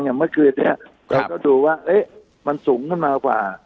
เนี่ยเมื่อคืนเนี่ยครับเราก็ดูว่าเอ๊ะมันสูงขึ้นมากว่า